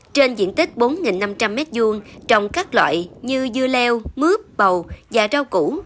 trên diện tích bốn năm trăm linh m hai trồng các loại như dưa leo mướp bầu và rau củ